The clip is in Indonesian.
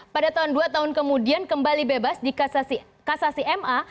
pada tahun dua tahun kemudian kembali bebas di kasasi ma